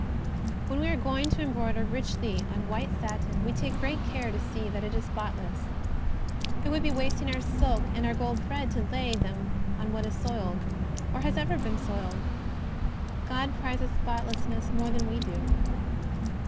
When we are going to embroider richly on white satin, we take care to see that it is spotless. It would be wasting our silk and our gold thread to lay them on what is soiled, or ever has been soiled. God prizes spotlessness more than we do.